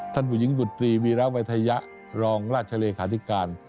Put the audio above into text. ท่านบุญญิงบุฏรีวิราวัยทะเยะรองราชเรขาธิการ